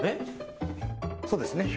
そうですね。